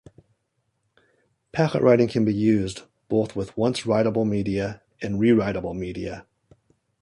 Packet writing can be used both with once-writeable media and rewritable media.